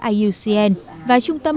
iucn và trung tâm